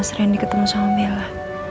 saya ketinduran ya